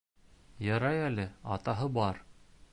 Ярай әле атаһы бар.